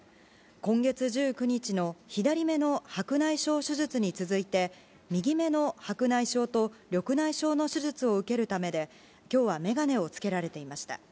今月１９日の左目の白内障手術に続いて、右目の白内障と緑内障の手術を受けるためで、きょうは眼鏡を着けられていました。